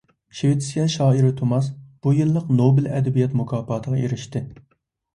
شىۋېتسىيە شائىرى توماس بۇ يىللىق نوبېل ئەدەبىيات مۇكاپاتىغا ئېرىشتى.